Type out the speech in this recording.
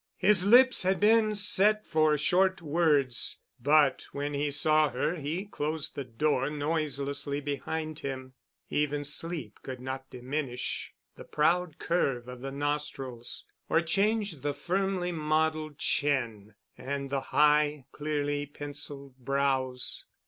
His lips had been set for short words, but when he saw her he closed the door noiselessly behind him. Even sleep could not diminish the proud curve of the nostrils, or change the firmly modeled chin and the high, clearly penciled brows.